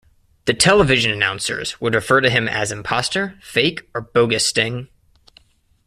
The television announcers would refer to him as imposter, fake, or bogus Sting.